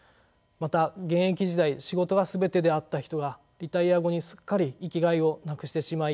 また現役時代仕事が全てであった人がリタイア後にすっかり生きがいを失くしてしまい孤独になってしまう。